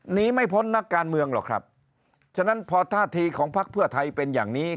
หนีไม่พ้นนักการเมืองหรอกครับฉะนั้นพอท่าทีของพักเพื่อไทยเป็นอย่างนี้